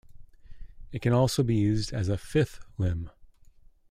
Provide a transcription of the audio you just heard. It can also be used as a fifth limb.